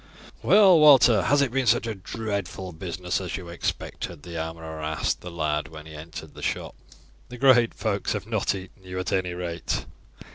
"Well, Walter, has it been such a dreadful business as you expected?" the armourer asked the lad when he re entered the shop. "The great folks have not eaten you at any rate."